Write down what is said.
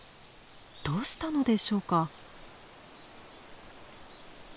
どうしたのでしょうか？